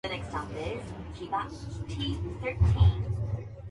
寄せ手の大将の一人、土岐悪五郎